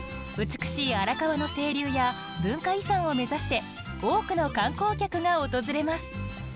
美しい荒川の清流や文化遺産を目指して多くの観光客が訪れます。